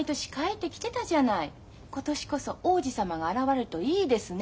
「今年こそ王子様が現れるといいですね」